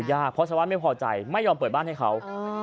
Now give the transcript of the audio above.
เพราะชาวบ้านไม่พอใจไม่ยอมเปิดบ้านให้เขา